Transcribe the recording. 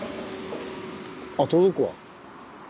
あ届くわ。